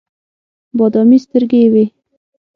بادامي سترګې یې وې.